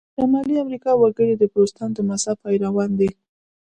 د شمالي امریکا وګړي د پروتستانت د مذهب پیروان دي.